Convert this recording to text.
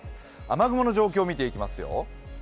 雨雲の状況、見ていきますよ。